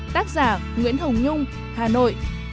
tác giả nguyễn hồng nhung hà nội